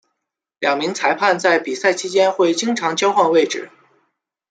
两名裁判在比赛期间会经常交换位置。